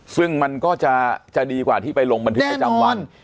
ซึ่งมันก็จะดีกว่าที่ไปลงบันทึกประจำวัน